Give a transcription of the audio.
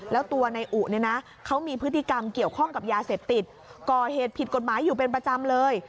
แล้วตัวนายอุเนี่ยนะเขามีพฤติกรรมเกี่ยวข้องกับยาเสพติดก่อเหตุผิดกฎหมายอยู่เป็นประจำเลย